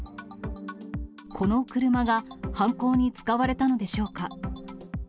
この車が犯行に使われたのでしょうか。